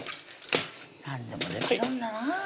何でもできるんだなぁ